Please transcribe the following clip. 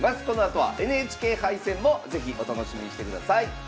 このあとはＮＨＫ杯戦も是非お楽しみにしてください！